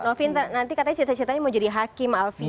novi nanti katanya cerita ceritanya mau jadi hakim alfian